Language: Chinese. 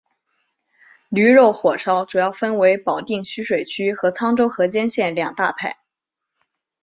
驴肉火烧主要分为保定徐水区和沧州河间县两大派。